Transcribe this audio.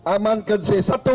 aman ke c satu